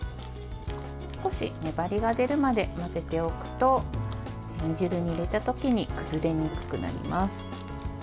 少し粘りが出るまで混ぜておくと煮汁に入れた時に崩れにくくなります。